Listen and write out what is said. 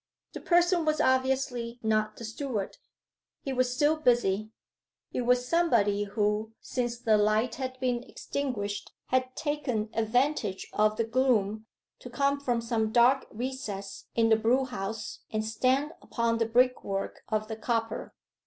The person was obviously not the steward: he was still busy. It was somebody who, since the light had been extinguished, had taken advantage of the gloom, to come from some dark recess in the brewhouse and stand upon the brickwork of the copper.